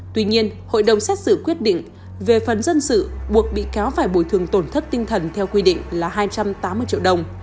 tuy nhiên hội đồng xét xử quyết định về phần dân sự buộc bị cáo phải bồi thường tổn thất tinh thần theo quy định là hai trăm tám mươi triệu đồng